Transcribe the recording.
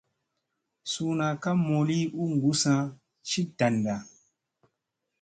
Suuna ka mooli u gussa ci danda.